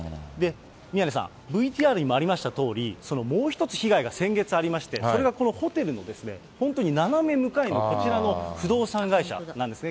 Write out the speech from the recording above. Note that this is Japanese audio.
宮根さん、ＶＴＲにもありましたとおり、そのもう一つ被害が先月ありまして、それがこのホテルの本当に斜め向かいのこちらの不動産会社なんですね。